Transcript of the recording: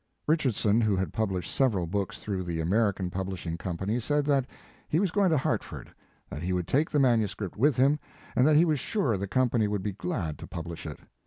Richardson, who had published several books through the American Publishing Company, said that he was going to Hartford, that he would take the manu script with him, and that he was sure the company would be glad to publish it.